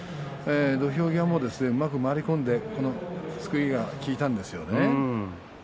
土俵際も、うまく回り込んですくいが効いたんですよね。